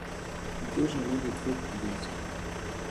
Где же новый твой приятель?